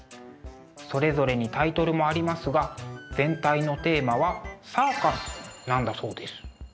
それぞれにタイトルもありますが全体のテーマは「サーカス」なんだそうです。